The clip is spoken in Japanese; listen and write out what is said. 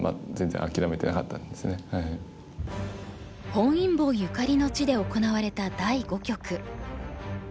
本因坊ゆかりの地で行われた第五局。